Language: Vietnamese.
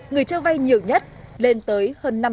người cho vay nhiều nhất lên tới